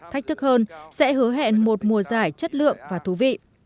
thách thức hơn sẽ hứa hẹn một mùa giải chất lượng và thú vị